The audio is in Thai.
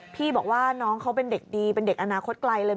พี่บอกว่าน้องเขาเป็นเด็กดีเป็นเด็กอนาคตไกลเลย